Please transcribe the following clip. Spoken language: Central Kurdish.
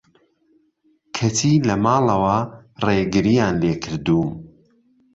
کەچی لە ماڵەوە رێگریان لێکردووم